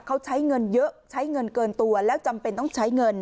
เขาใช้เงินเยอะใช้เงินเกินตัวแล้วจำเป็นต้องใช้เงิน